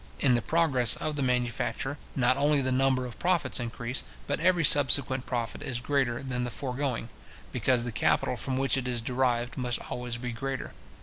In the progress of the manufacture, not only the number of profits increase, but every subsequent profit is greater than the foregoing; because the capital from which it is derived must always be greater.